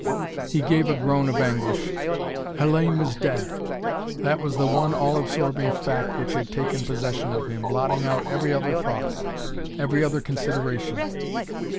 He gave a groan of anguish. Hellayne was dead! That was the one all absorbing fact which had taken possession of him, blotting out every other thought, every other consideration.